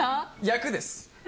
役です！